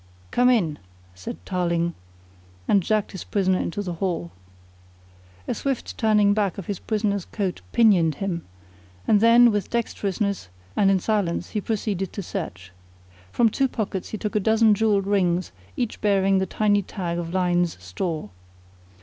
"Come in," said Tarling, and jerked his prisoner into the hall. A swift turning back of his prisoner's coat pinioned him, and then with dexterousness and in silence he proceeded to search. From two pockets he took a dozen jewelled rings, each bearing the tiny tag of Lyne's Store.